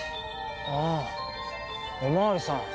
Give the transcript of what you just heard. あぁお巡りさん。